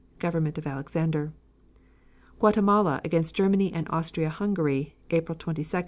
(Government of Alexander.) Guatemala against Germany and Austria Hungary, April 22, 1918.